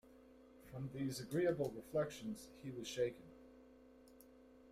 From these agreeable reflections he was shaken.